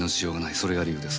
それが理由です。